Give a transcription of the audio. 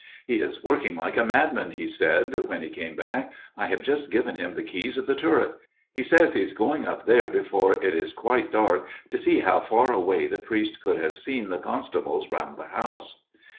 "' He is working like a madman,' he said, when he came back. ' I have just given him the keys of the turret ; he says he is going up there before FATHER MADDOX'S TALE 227 it is quite dark to see how far away the priest could have seen the constables round the house.'